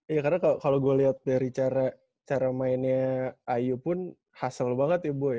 ya karena kalo gue liat dari cara mainnya ayu pun hasel banget ya bu ya